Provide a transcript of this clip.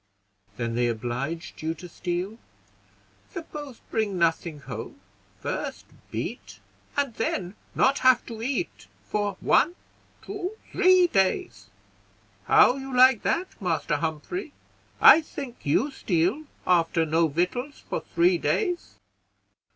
"Then they obliged you to steal?" "Suppose bring nothing home, first beat, and then not have to eat for one, two, three days. How you like that, Master Humphrey? I think you steal, after no victuals for three days!"